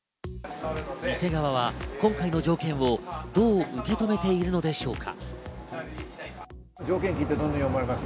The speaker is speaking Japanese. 店側は今回の条件をどう受け止めているのでしょうか。